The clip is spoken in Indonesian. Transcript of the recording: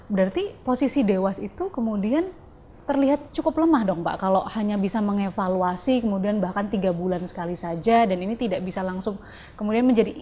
berarti posisi dewas itu kemudian terlihat cukup lemah dong pak kalau hanya bisa mengevaluasi kemudian bahkan tiga bulan sekali saja dan ini tidak bisa langsung kemudian menjadi